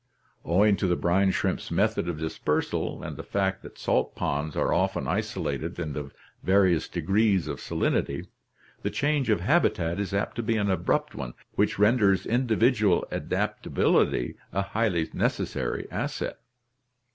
Owing I?2 ORGANIC EVOLUTION to the brine shrimp's method of dispersal and the fact that salt ponds are often isolated and of various degrees of salinity, the change of habitat is apt to be an abrupt one which renders individual adaptability a highly necessary asset.